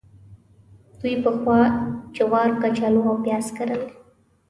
دوی پخوا جوار، کچالو او پیاز کرل.